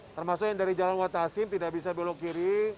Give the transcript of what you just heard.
termasuk yang dari jalan watasim tidak bisa belok kiri